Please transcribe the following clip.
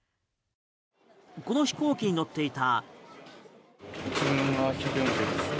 この飛行機乗っていた。